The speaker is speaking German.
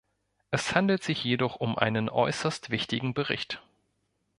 Es handelt sich jedoch um einen äußerst wichtigen Bericht.